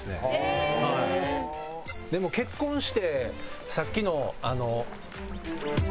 でも結婚してさっきのあの。